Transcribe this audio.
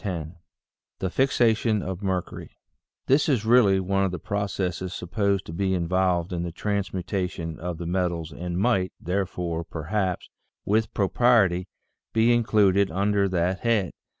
VI THE FIXATION OF MERCURY HIS is really one of the processes supposed to be involved in the transmutation of the metals and might, therefore, perhaps, with propriety, be included under that head.